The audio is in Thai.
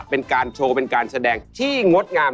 เป็นการโชว์เป็นการแสดงที่งดงาม